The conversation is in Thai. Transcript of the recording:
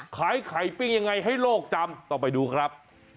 ขายไข่ปิ้งยังไงให้โลกจำต้องไปดูครับ